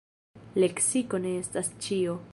Leksiko ne estas ĉio.